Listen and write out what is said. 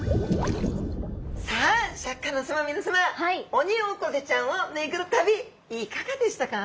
オニオコゼちゃんを巡る旅いかがでしたか？